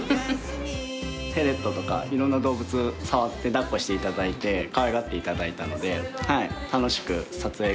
フェレットとかいろんな動物触って抱っこしていただいてかわいがっていただいたので楽しく撮影ができました。